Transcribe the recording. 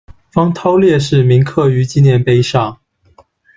方弢烈士铭刻于纪念碑上。